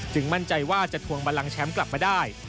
มั่นใจว่าจะทวงบันลังแชมป์กลับมาได้